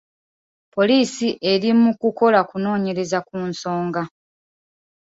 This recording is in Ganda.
Poliisi eri mu kukola kunoonyeraza ku nsonga.